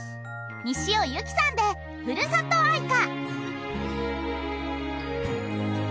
西尾夕紀さんで『ふるさと哀歌』。